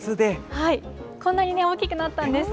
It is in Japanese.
こんなに大きくなったんです。